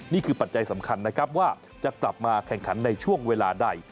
นี่คือปัจจัยสำคัญว่าจะกลับมาแข่งขันในช่วงเวลาใด